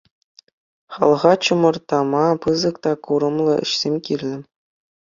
Халӑха чӑмӑртама пысӑк та курӑмлӑ ӗҫсем кирлӗ.